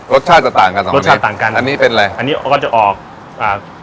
รสชาติจะต่างกันสำหรับรสชาติต่างกันอันนี้เป็นอะไรอันนี้ก็จะออกอ่า